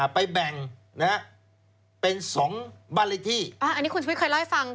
ไปแบ่งนะฮะเป็นสองบ้านเลขที่อันนี้คุณชุวิตเคยเล่าให้ฟัง